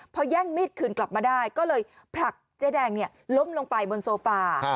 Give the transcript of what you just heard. พอแย่งมีดคืนกลับมาได้ก็เลยผลักเจ๊แดงล้มลงไปบนโซฟา